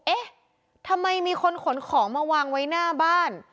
เอ๊ะทำไมมีคนขนของมาวางไว้หน้าบ้าน